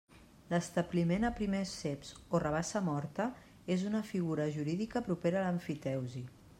L'establiment a primers ceps o rabassa morta és una figura jurídica propera a l'emfiteusi.